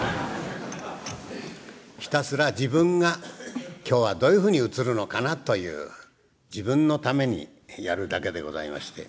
ひたすら自分が「今日はどういうふうに映るのかな」という自分のためにやるだけでございまして。